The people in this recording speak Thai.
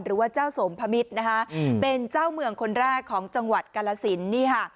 หรือว่าเจ้าสมพมิตรนะคะเป็นเจ้าเมืองคนแรกของจังหวัดกาลสินนี่ค่ะ